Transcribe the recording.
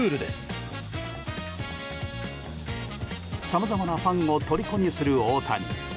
さまざまなファンをとりこにする大谷。